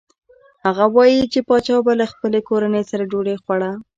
هغه وايي چې پاچا به له خپلې کورنۍ سره ډوډۍ خوړه.